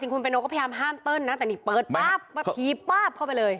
คุณเป็นโนก็พยายามห้ามเติ้ลนะแต่นี่เปิดป๊าบมาทีป๊าบเข้าไปเลย